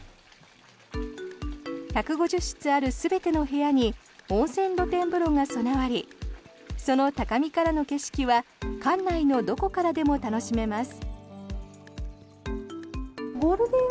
１５０室ある全ての部屋に温泉露天風呂が備わりその高みからの景色は館内のどこからでも楽しめます。